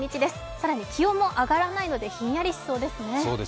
更に気温も上がらないのでひんやりしそうですね。